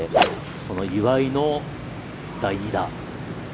その岩井の第２打。